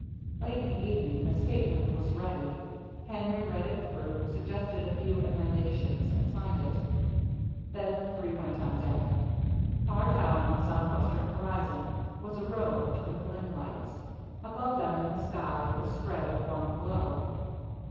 Late in the evening the statement was ready. Henry read it through, suggested a few emendations, and signed it. Then the three went on deck. Far down on the southwestern horizon was a row of twinkling lights. Above them, in the sky, was spread a warm glow.